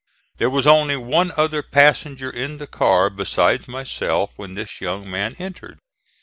There was only one other passenger in the car besides myself when this young man entered.